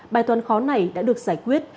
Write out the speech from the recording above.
bài toán khó này đã được giải quyết